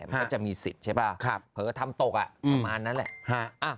มันก็จะมีสิทธิ์ใช่ป่ะเผลอทำตกประมาณนั้นแหละ